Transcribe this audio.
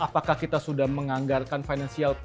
lalu apakah kita sudah menganggarkan financial risk